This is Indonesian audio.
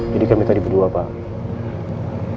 jadi kami tadi berdua pak